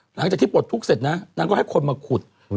หลังจากที่ปลดทุกข์เสร็จนะนางก็ให้คนมาขุด